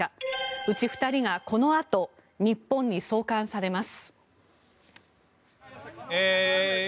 うち２人がこのあと、日本に送還されます。